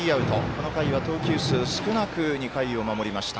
この回は投球数少なく２回を守りました。